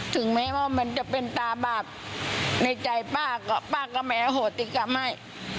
ถึงแม้ว่ามันจะเป็นตาบาปในใจป้าก็ป้าก็ไม่อโหติกรรมให้